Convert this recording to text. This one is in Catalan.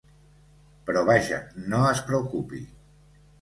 Però vaja, no es preocupi.